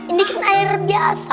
ini kan air biasa